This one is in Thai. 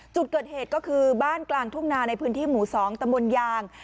จุดเกิดเหตุก็คือบ้านกลางทุ่งนาในพื้นที่หมู่๒ตำบลยาง